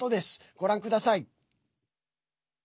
ご覧ください。